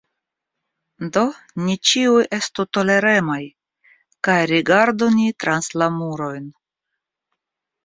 Do ni ĉiuj estu toleremaj kaj rigardu ni trans la murojn!